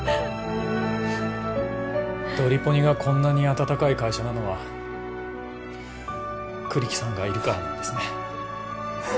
ドリポニがこんなに温かい会社なのは栗木さんがいるからなんですね